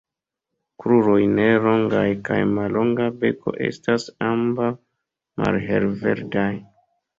Kruroj -ne longaj- kaj mallonga beko estas ambaŭ malhelverdaj.